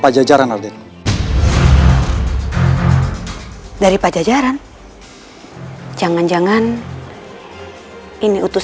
akhirnya urus muharram nahun itu